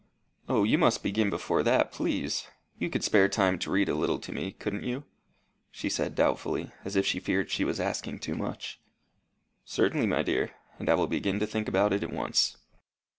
"O, you must begin before that, please. You could spare time to read a little to me, couldn't you?" she said doubtfully, as if she feared she was asking too much. "Certainly, my dear; and I will begin to think about it at once."